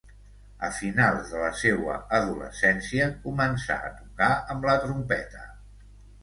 A finals de la seua adolescència començà a tocar amb la trompeta.